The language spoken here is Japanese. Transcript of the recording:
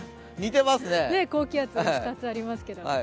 高気圧２つありますけども。